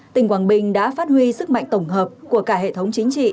tỉnh quảng bình đã phát huy sức mạnh tổng hợp của cả hệ thống chính trị